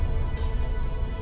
kasian tahu keatna